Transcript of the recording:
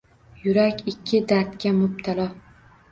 Yurak — ikki dardga mubtalo.